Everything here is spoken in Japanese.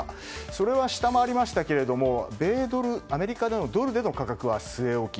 それは下回りましたが米ドル、アメリカでのドルでの価格は据え置き。